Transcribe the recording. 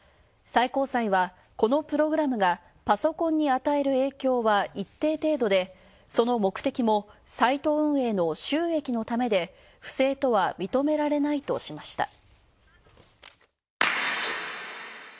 最高裁は、このプログラムがパソコンに与える影響は一定程度でその目的もサイト運営の収益のためで不正とは認められないとしました。